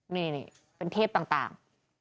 นี่เป็นเทพต่าง